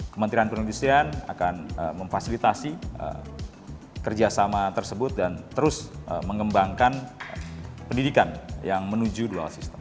kementerian perindustrian akan memfasilitasi kerjasama tersebut dan terus mengembangkan pendidikan yang menuju dual system